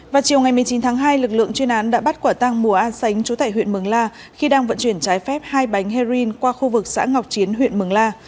vào chiều ngày một mươi chín tháng hai lực lượng chuyên án đã bắt quả tăng mùa an sánh chú tại huyện mường la khi đang vận chuyển trái phép hai bánh heroin qua khu vực xã ngọc chiến huyện mường la